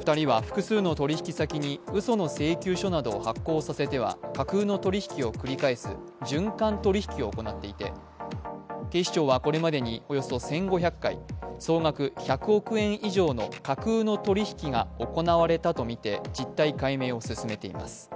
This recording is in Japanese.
２人は複数の取引先にうその請求書などを発酵させては架空の取り引きを繰り返す循環取り引きを行っていて、警視庁はこれまでにおよそ１５００回、総額１００億円以上の架空の取り引きが行われたとみて実態解明を進めています。